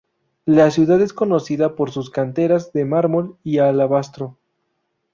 La ciudad es conocida por sus canteras de mármol y alabastro.